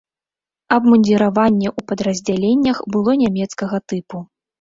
Абмундзіраванне ў падраздзяленнях было нямецкага тыпу.